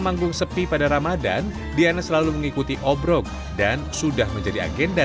manggung sepi pada ramadhan diana selalu mengikuti obrok dan sudah menjadi agenda